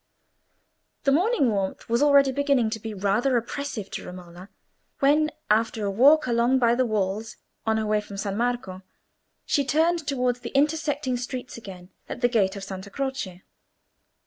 The morning warmth was already beginning to be rather oppressive to Romola, when, after a walk along by the walls on her way from San Marco, she turned towards the intersecting streets again at the gate of Santa Croce.